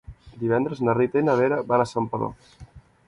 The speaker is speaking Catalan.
Divendres na Rita i na Vera van a Santpedor.